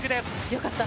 よかった。